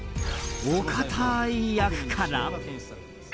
お堅い役から。